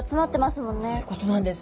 そういうことなんです。